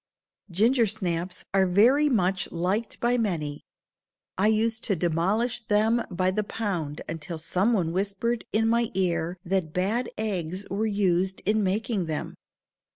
Gingersnaps are very much liked by many. I used to demolish them by the pound until someone whispered in my ear that "bad eggs were used in making them."